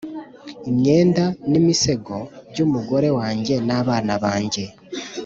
Imyenda nimisego byumugore wanjye nabana bange